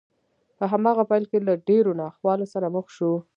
په هماغه پيل کې له ډېرو ناخوالو سره مخ شو.